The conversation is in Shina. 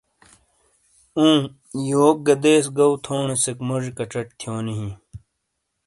اُوں، یوک گہ دیس گو تھونیسیک موجی کَچٹ تھیونی ہِیں۔